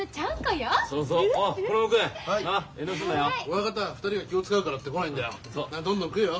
親方は２人が気を遣うからって来ないんだよ。どんどん食えよ。